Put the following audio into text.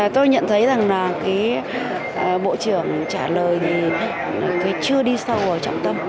tôi nhận thấy rằng là cái bộ trưởng trả lời thì chưa đi sâu vào trọng tâm